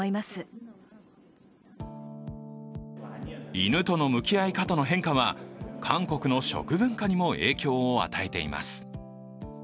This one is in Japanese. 犬との向き合い方の変化は韓国の食文化にも影響を与えています。